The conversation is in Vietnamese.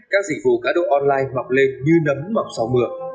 các dịch vụ cá độ online mọc lên như nấm mọc sau mưa